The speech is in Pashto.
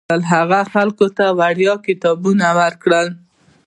هغه خلکو ته وړیا کتابونه ورکول.